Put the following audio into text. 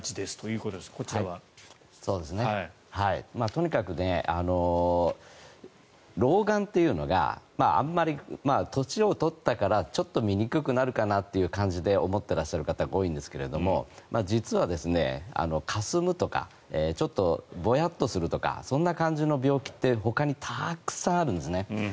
とにかく老眼っていうのがあまり年を取ったからちょっと見にくくなると思ってらっしゃる方が多いんですが実はかすむとかちょっとぼやっとするとかそんな感じの病気ってほかにたくさんあるんですね。